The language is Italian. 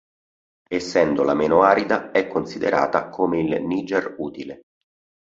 Essendo la meno arida è considerata come il "Niger utile".